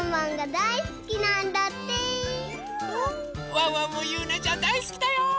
ワンワンもゆうなちゃんだいすきだよ！